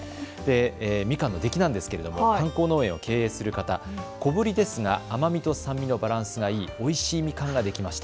みかんの出来なんですけれども、小ぶりですが甘みと酸味のバランスがいいおいしいみかんができました。